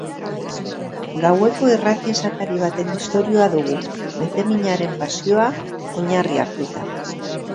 Gaueko irrati esatari baten istorioa dugu, maiteminaren pasioa oinarri hartuta.